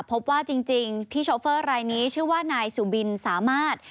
พบว่าจริงที่โชเฟอร์รายนี้ชื่อว่านายสุบินสามารถ